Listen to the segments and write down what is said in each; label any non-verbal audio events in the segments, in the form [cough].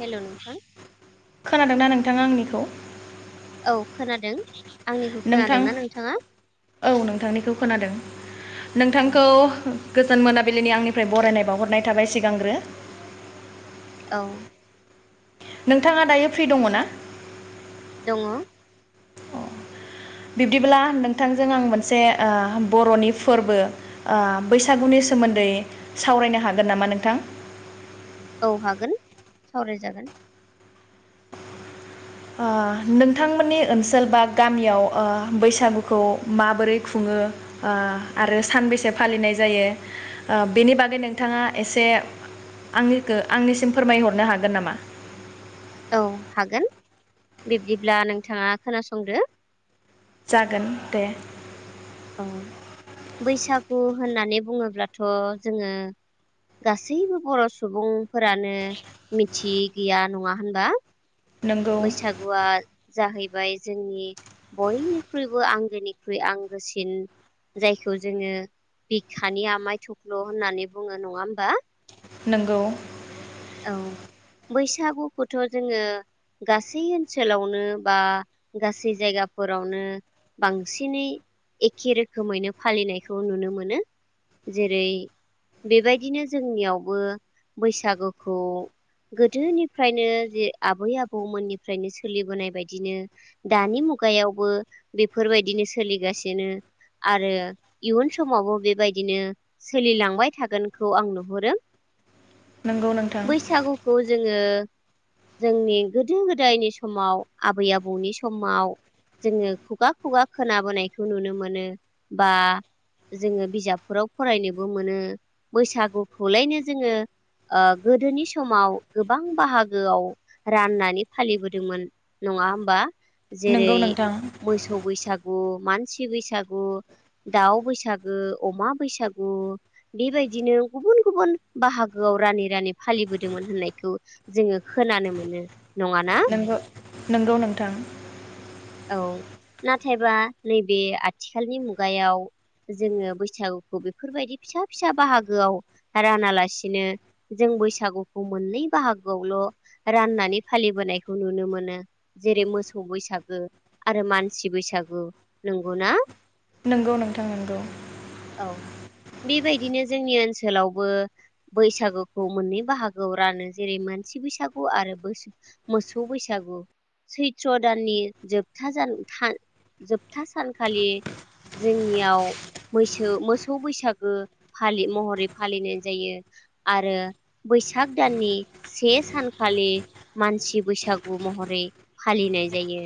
हेल' नोंथां। खोनादोंना नोंथाङा आंनिखौ। औ खोनादों। आंनिखौ नोंथां खोनादोंना नोंथाङा औ नोंथांनिखौ खोनादों नोंथांखौ। गोजोन मोनाबिलिनि आंनिफ्राय बरायनाय बावहरनाय थाबाय सिगांग्रो। औ। नोंथाङा दायो फ्रि दङना? दङ। बिब्दिब्ला नोंथांजों आं मोनसे बर'नि फोरबो बैसागुनि सोमोन्दै सावरायनो हागोन नामा नोंथां? औ हागोन सावराय जागोन। नोंथांमोननि ओनसोल बा गामियाव बैसागुखौ माबोरै खुङो आरो सानबैसे फालिनाय जायो बेनि बागै नोंथाङा एसे आंनिखौ आंनिसिम फोरमाय हरनो हागोन नामा? औ हागोन बिब्दिब्ला नोंथाङा खोनासंदो। जागोन दे। औ बैसागु होननानै बुङोब्लाथ' जोङो गासैबो बर' सुबुं फोरानो मिथियि गैया नङा होनबा। नंगौ बैसागुआ। जाहैबाय जोंनि बयनिख्रुइबो आंगोनिख्रुइ आंगोसिन जायखौ जोङो बिखानि आमाय थख्ल' होननानै बुङो नङा होमबा? नोंगौ। औ बैसागुखौथ' जोङो गासै ओनसोलावनो बा गासै जायगाफोरावनो बांसिनै एखे रोखोमैनो फालिनायखौ नुनो मोनो जेरै बेबायदिनो जोंनियावबो बैसागु। खौ गोदोनिफ्रायनो जे आबै आबौमोननिफ्रायनो सोलिबोनाय बायदिनो दानि मुगायावबो बेफोर बायदिनो सोलिगासिनो आरो इयुन समावबो बेबायदिनो सोलिलांबाय थागोनखौ आं नुहरो। नंगौ नोंथां बैसागुखौ जोङो। जोंनि गोदो गोदायनि समाव आबै आबौनि समाव जोङो खुगा खुगा खोनाबोनायखौ नुनो मोनो बा जोङो बिजाबफोराव फरायनोबो मोनो बैसागुखौलायनो जोङो। गोदोनि समाव गोबां बाहागोआव राननानै फालिबोदोंमोन नङा होमबा। जेरै नंगौ नोंथां मोसौ बैसागु मानसि बैसागु, दाउ बैसागु, अमा बैसागु बेबायदिनो गुबुन गुबुन बाहागो। रानै रानै फालिबोदोंमोन होननायखौ जोङो खोनानो मोनो। नङाना नोंगौ नंगौ नोंथां। औ नाथायबा नैबे आथिखालनि मुगायाव जोङो बैसागुखौ बेफोर बायदि फिसा फिसा बाहागोआव रानालासिनो जों बैसागुखौ मोननै बाहागोआवल' राननानै फालिबोनायखौ नुनो मोनो जेरै मोसौ बैसागो आरो मानसि बैसागु नंगौना। नंगौ नोंथां नोंगौ। औ बेबायदिनो जोंनि ओनसोलावबो बैसागुखौ मोननै बाहागोआव रानो जेरै मानसि बैसागु आरो मोसौ बैसागु सैथ्र' दाननि जोब जोबथा सानखालि जोंनियाव मैसो मोसौ बैसागो महरै फालिनाय जायो आरो बैसाग दाननि से सानखालि मानसि बैसागु महरै फालिनाय जायो।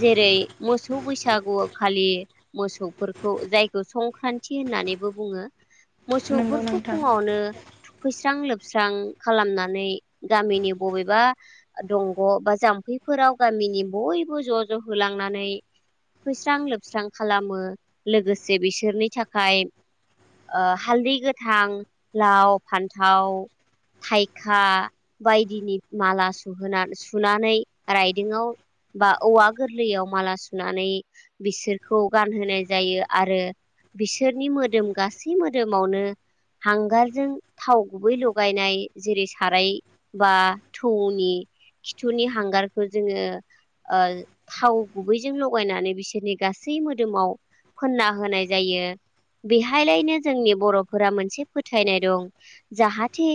जेरै मोसौ बैसागु खालि मोसौफोरखौ जायखौ संक्रान्ति होननानैबो बुङो। नंगौ मोसौफोरखौ नोंथां फुङावनो। थुखैस्रां लोबस्रां खालामनानै गामिनि बबेबा दंग' बा जाम्फैफोराव गामिनि बयबो ज' ज होलांनानै थुखैस्रां लोबस्रां खालामो लोगोसे बिसोरनि थाखाय हालदै गोथां, लाव, फान्थाव, थाइखा बायदिनि माला सुनानै रायदोंङाआव बा औवा गोरलैयाव माला सुनानै बिसोरखौ गानहोनाय जायो आरो बिसोरनि मोदोम गासै मोदोमावनो हांगारजों थाव गुबै लगायनाय जेरै साराय बा थौनि खिथुनि हांगारखौ जोङो। थाव गुबैजों लगायनानै बिसोरनि गासै मोदोमाव फोनना होनाय जायो बेहाय लायनो जोंनि बर'फोरा मोनसे फोथायनाय दं जाहाथे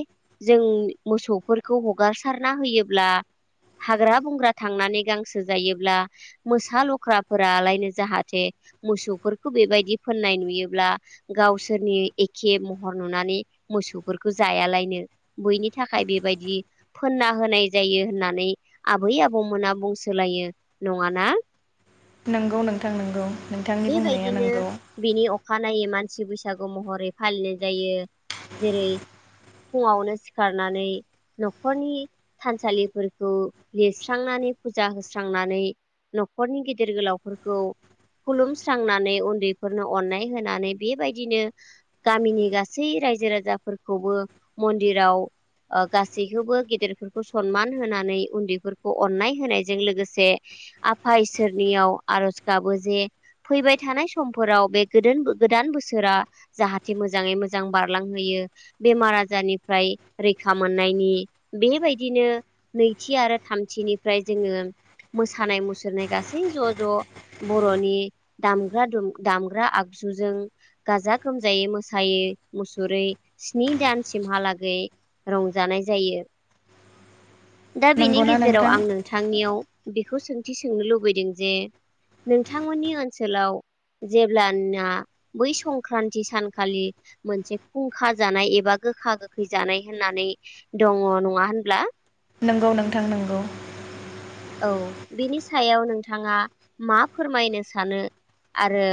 जों मोसौफोरखौ हगार सारना होयोब्ला हाग्रा बंग्रा थांनानै गांसो जायोब्ला। मोसा लख्राफोरालायनो जाहाथे मोसौफोरखौ बेबायदि फोननाय नुयोब्ला गावसोरनि एखे महर नुनानै मोसौफोरखौ जायालायनो बैनि थाखाय बेबायदि फोनना होनाय जायो होननानै आबै आबौमोना बुंसोलायो। नङाना। नोंगौ नोंथां नोंगौ। बेबायदिनो बिनि अख खानायै मानसि बैसागु महरै फालिनाय जायो जेरै फुङावनो सिखारनानै न'खरनि थानसालिफोरखौ लिरस्रांनानै फुजा होस्रांनानै न'खरनि गिदिर गोलावफोरखौ खुलुमस्रांनानै उन्दैफोरनो अननाय होनानै बेबायदिनो गामिनि गासै रायजो राजाफोरखौबो मन्दिराव ओ गासैखौबो गेदेरफोरखौ सनमान होनानै उन्दैफोरखौ अननाय होनायजों लोगोसे आफा इसोरनियाव आरज गाबो जे फैबाय थानाय समफोराव बे गोदोन गोदान बोसोरा जाहाथे मोजाङै मोजां बारलांहोयो बेमार आजारनिफ्राय रैखा मोननायनि बेबायदिनो नैथि आरो थामथिनिफ्राय जोङो मोसानाय मुसुरनाय गासै ज' ज' बर'नि दामग्रा दुम दामग्रा आगजुजों गाजा गोमजायै मोसायै मुसुरै स्नि दानसिमहालागै रंजानाय जायो दा बेनि नंगौना गेजेराव नोंथां आं नोंथांनियाव बिखौ सोंथि सोंनो लुबैदों जे नोंथांमोननि ओनसोलाव जेब्लाना बै संक्रान्ति सानखालि मोनसे फुंखा जानाय एबा गोखा गोखै जानाय होननानै दङ नङा होनब्ला नोंगौ नोंथां नोंगौ औ बेनि सायाव नोंथाङा मा फोरमायनो सानो आरो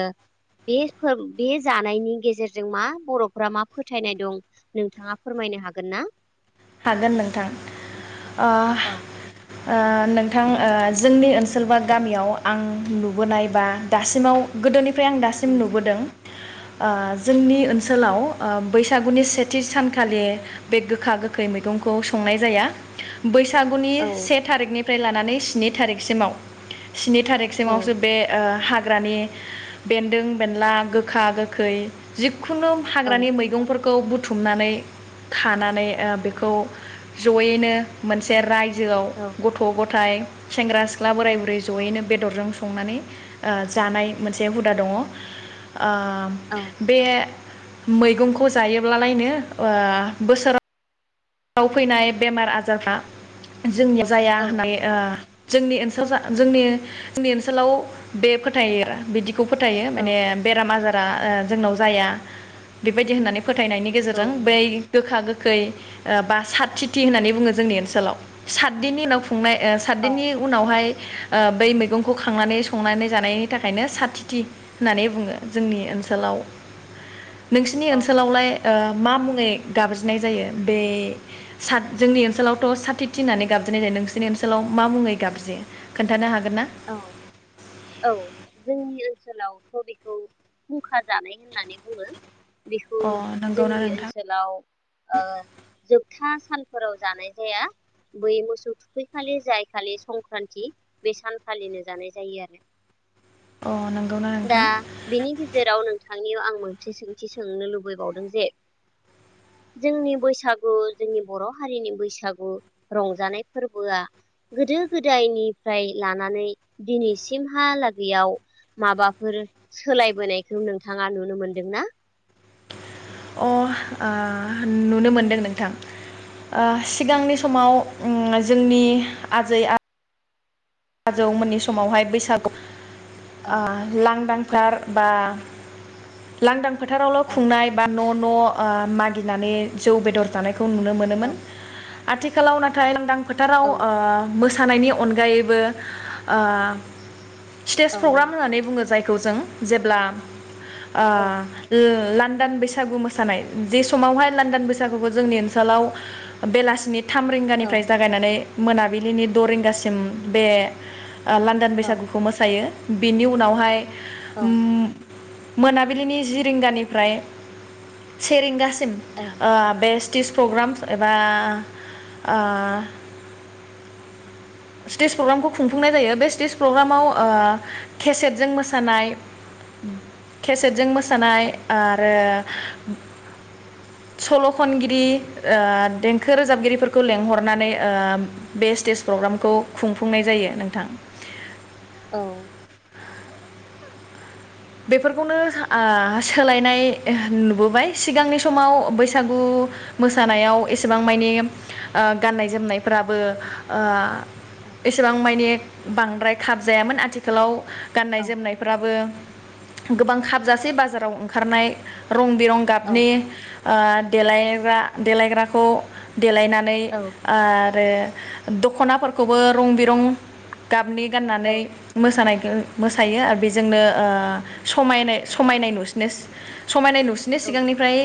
बे फो बे जानायनि गेजेरजों मा बर'फ्रा मा फोथायनाय दं नोंथाङा फोरमायनो हागोन ना हागोन नोंथां ओ औ ओ नोंथां जोंनि ओनसोल बा गामियाव आं नुबोनाय बा दासिमाव गोदोनि फ्राय आं औ दासिम नुबोदों ओ जोंनि ओनसोलाव ओ बैसागुनि सेथि सानखालि बे गोखा गोख खै मैगंखौ संनाय जाया बैसागुनि औ से थारिकनि फ्राय लानानै स्नि थारिखसिमाव स्नि औ थारिखसिमावसो बे ओ हागौ ग्रानि बेन्दों बेनला गोखा गोखै जिक खुनु औ हाग्रानि मैगंफोर खौ बुथुमनानै खानानै ओब बेखौ जयैनो मोनसे राय जोआव औ औ गथ' गथाइ सेंग्रा सिख्ला बोराय बुरै जयैनो बेदरजों संनानै ओ जानाय मोनसे हुदा दङ औ ओ बे मैगंखौ जायोब्लालायनो ओ बोसोराव आव फैनाय बेमार आजारफ्रा जोंनियाव जाया होननाय ओ जोंनि ओनसोल जा जोंनि-जोंनि ओनसोलाव बे फोथायरा बिदि खौ फोथायो औ माने बेराम आजार बा ओ जोंनाव जाया बेबायदि होननानै फोथायनायनि औ गेजेरजों बै नंगौ गोखा गोख खै ओ बा सातथिथि होननानै बुङो जोंनि ओनसोलाव सातदिननि उनाव खुंनाय औ सातदिननि उनावहाय ओ बै मैगंखौ खांनानै संनानै जानायनि थाखायनो साथिथि होननानै बुङो जोंनि ओनसोलाव नोंसिनि ओनसोलावलाय ओ मा मुङै गाबज्रिनाय जायो बे साथ जोंनि ओनसोलावथ' साथिथि होननानै गाबज्रिनाय जायो नोंसिनि ओनसोलाव मा मुङै गाबज्रियो खोन्थानो हाग औ औ जोंनि ओनसोलावथ' बेखौ खुंखा जानाय होननानै बुङो बेखौ अ नंगौना जोंनि नोंथां ओनसोलाव ओ जोबथा सानफोराव जानाय जाया बै मोसौ थुखैखालि जाय खालि संक्रान्ति बे सान फालिनो जानाय जायो आरो अ नं दा बिनि गेजेराव नों थांनियाव आं मोनसे सोंथि सोंनो लुबैबावदों जे जोंनि बैसागु जोंनि बर' हारिनि बैसागु रंजानाय फोरबोआ गोदो गोदायनिफ्राय लानानै दिनैसिमहालागैयाव माबाफोर सोलायबोनायखौ नोंथाङा नुनो मोनदोंना? अ ओ नुनो मोनदों नोंथां आ सिगांनि समाव उम जोंनि आजै आ जौमोननि समावहाय बैसागु औ आ लांदां [unintelligible] बा लांदां फोथारावल' औ खुंनाय बा न' न' ओ मागिनानै जौ बेदर जानायखौ खौ नुनो औ मोनोमोन। आथिखालाव नाथाय लांदां फोथाराव औ ओ सानायनि अनगायैबो ओ स्टेज औ प्रग्राम होननानै बुङो जाय खौ जों जेब्ला औ ओ ला दान बैसागु मोसानाय जे समावहाय लानदान बैसागुखौ जोंनि ओनसोलाव बेलासिनि थाम औ रिंगानिफ्राय जागायनानै मोनाबिलिनि दरिंगासिम बे लानदान औ बैसागुखौ मोसायो। बेनि उनावहाय ओ औ मोनाबिलिनि जि रिंगानिफ्राय सेेरिंगा सिम औ ओ बेस टिज प्रग्राम एबा ओ स्टेज प्रग्रामखौ खुंफुंनाय जायो बे स्टेज प्रग्रामाव ओ केसेटजों मोसानाय केसेटजों मोसानाय आरो सल' खनगिरि ओ देंखो रोजाबगिरिफोरखौ लेंंहरनानै ओ बे स्टेज प्रग्राम खौ खुंफुंनाय जायो नोंथां। औ। बेफोरखौनो आ सोलायनाय नुबोबाय सिगांनि समाव बैसागु मोसानायाव एसेबां माने गाननाय जोमनायफ्राबो ओ एसेबां माने बांद्राय खाब जायामोन आथिखालाव गाननाय जोमनायफ्राबो गोबां खाबजासे बाजाराव ओंखारनाय रं बिरं गाबनि ओ देलायग्रा देलायग्राखौ देलायनानै ओ औ आरो दख'नाफोरखौबो रं बिरं गाबनि गाननानै मोसानायखो मोसायो आरो बेजोंनो ओ समायनाय समायनाय नुसिनो समायनाय नुसिनो औ सिगांनिफ्राय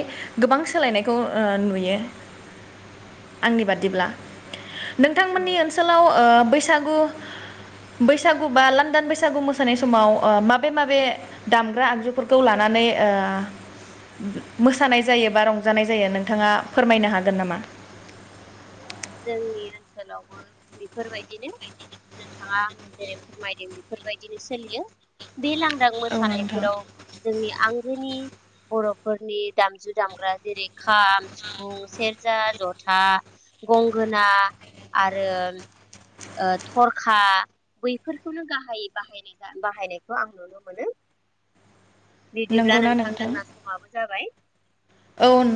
गोबां सोलायनायखौ ओ नुयो आंनि बादिब्ला नोंथांमोननि ओनसोलाव ओ बैसागु बैसागु बा लांदान बैसागु मोसानाय समाव ओ माबे माबे दामग्रा आगजुफोरखौ लानानै ओ मोसानाय जायो बा रंजानाय जायो नोंथाङा फोरमायनो हागोन नामा? [inaudible] जोंनि ओनसोलावबो बेफोरबायदिनो नोंथाङा आंनो जेरै फोरमायदों बेफोरबायदिनो सोलियो बे लांदां औ नोंथां मोसानायफोराव जोंनि आं आंगोनि बर'फोरनि दामजु दामग्रा जेरै खाम सिफुं सेरजा जथा था गंगोना आरो ओ थरखा बैफोरखौनो गाहाय बाहाय बाहायनायखौ आं नुनो मोनो बिदिब्ला नोंथां जोंना समाबो जाबाय औ न